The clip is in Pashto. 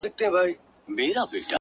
گــــوره زمــا د زړه ســـكــــونـــــه;